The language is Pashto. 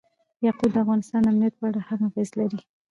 یاقوت د افغانستان د امنیت په اړه هم اغېز لري.